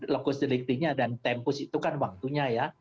lokus deliktinya dan tempus itu kan waktunya ya